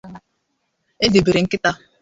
e debere nkịta